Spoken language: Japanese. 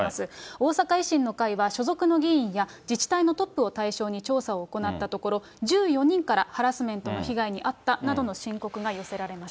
大阪維新の会は、所属の議員や自治体のトップを対象に調査を行ったところ、１４人からハラスメントの被害に遭ったなどの申告が寄せられまし